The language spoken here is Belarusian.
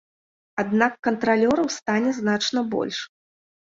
Аднак кантралёраў стане значна больш.